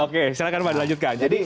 oke silahkan pak anies lanjutkan